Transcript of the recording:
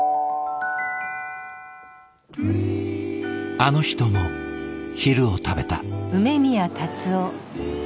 あの人も昼を食べた。